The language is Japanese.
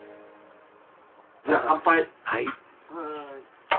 じゃあ乾杯！